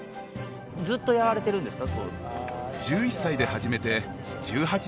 ずっとやられてるんですか？